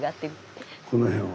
この辺は。